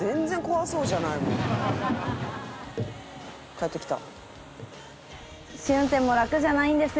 「帰ってきた」